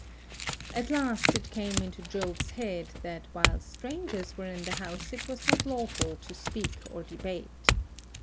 At last it came into Jove's head, that while strangers 9 were in the House it was not lawful to speak or debate.